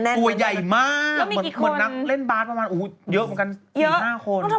ตัวใหญ่มากเหมือนนักเล่นบาสประมาณเยอะเหมือนกัน๔๕คน